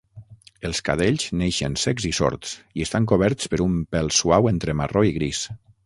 Els cadells neixen cecs i sords, i estan coberts per un pel suau entre marró i gris.